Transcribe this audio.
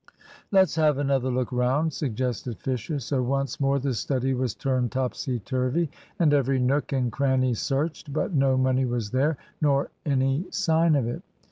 "Let's have another look round," suggested Fisher. So once more the study was turned topsy turvy, and every nook and cranny searched. But no money was there, nor any sign of it.